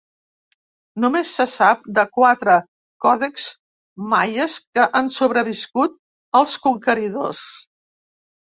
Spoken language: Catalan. Només se sap de quatre còdexs maies que han sobreviscut als conqueridors.